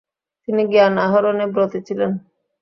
তিনি জ্ঞান আহরণে ব্রতী ছিলেন।